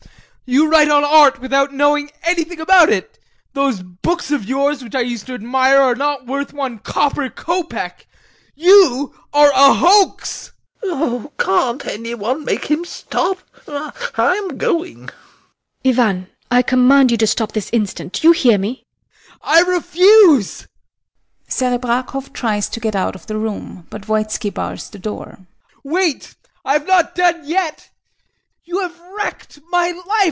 You write on art without knowing anything about it. Those books of yours which I used to admire are not worth one copper kopeck. You are a hoax! SEREBRAKOFF. Can't any one make him stop? I am going! HELENA. Ivan, I command you to stop this instant! Do you hear me? VOITSKI. I refuse! [SEREBRAKOFF tries to get out of the room, but VOITSKI bars the door] Wait! I have not done yet! You have wrecked my life.